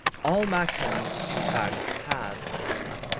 All maxims, in fact, have: 1.